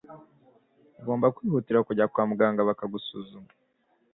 ugomba kwihutira kujya kwa muganga bakagusuzuma.